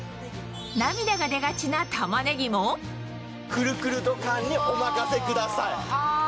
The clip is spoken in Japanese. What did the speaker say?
涙が出がちなタマネギも「くるくるドッカーン！」にお任せください。